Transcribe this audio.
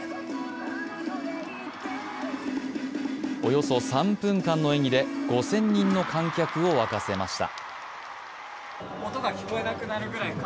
およそ３分間の演技で５０００人の観客を沸かせました。